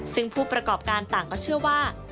ซึ่งผู้ประกอบการต่างก็เชื่อว่า